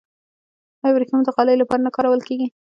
آیا وریښم د غالیو لپاره نه کارول کیږي؟